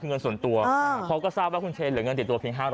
คือเงินส่วนตัวเพราะก็ทราบว่าคุณเชเหลือเงินติดตัว